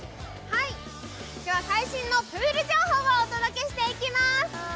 最新のプール情報をお届けしていきます。